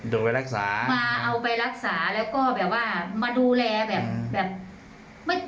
โดยไปรักษามาเอาไปรักษาแล้วก็แบบว่ามาดูแลแบบแบบไม่